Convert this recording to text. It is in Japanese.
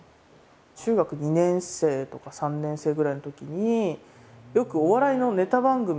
中学２年生とか３年生ぐらいのときによくお笑いのネタ番組をやってたんですね。